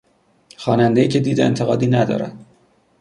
خوانندهای که دید انتقادی ندارد